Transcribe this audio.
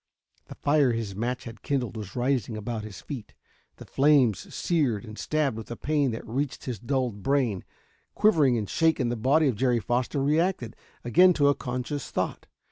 The fire his match had kindled was rising about his feet. The flames seared and stabbed with a pain that reached his dulled brain. Quivering and shaken, the body of Jerry Foster reacted again to a conscious thought.